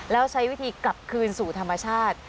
แล้วใช้วิธีกลับคืนสู่ธรรมชาติ